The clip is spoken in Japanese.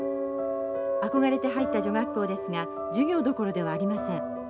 憧れて入った女学校ですが授業どころではありません。